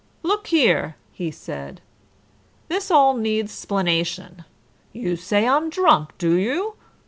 "Look here," he said, "this all needs 'splanation. You say I'm drunk, do you?